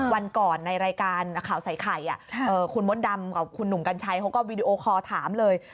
วันก่อนในรายการข่าวใส่ไข่คุณมดดำกับคุณหนุ่มกัญชัยเขาก็วีดีโอคอร์ถามเลย